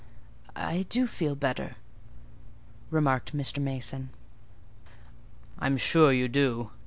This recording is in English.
"I do feel better," remarked Mr. Mason. "I am sure you do.